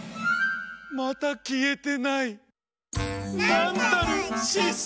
またきえてない⁉